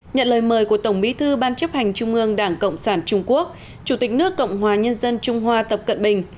nhận lời mời của tổng bí thư ban chấp hành trung ương đảng cộng sản trung quốc chủ tịch nước cộng hòa nhân dân trung hoa tập cận bình